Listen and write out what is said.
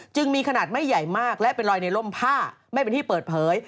จึงมีขนาดไม่ใหญ่มากและเป็นรอยในร่มผ้าไม่เป็นที่เปิดเผย